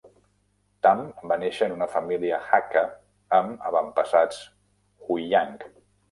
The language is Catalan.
Tam va néixer en una família Hakka, amb avantpassats Huiyang.